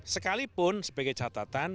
sekalipun sebagai catatan